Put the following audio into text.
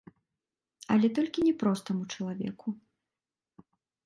Але толькі не простаму чалавеку.